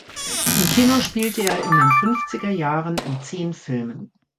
Im Kino spielte er in den fünfziger Jahren in zehn Filmen.